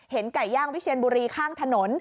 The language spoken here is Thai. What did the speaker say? ไก่ย่างวิเชียนบุรีข้างถนน